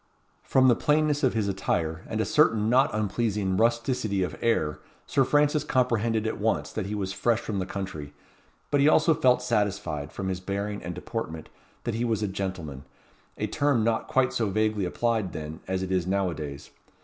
From the plainness of his attire, and a certain not unpleasing rusticity of air, Sir Francis comprehended at once that he was fresh from the country; but he also felt satisfied, from his bearing and deportment, that he was a gentleman: a term not quite so vaguely applied then, as it is now a days.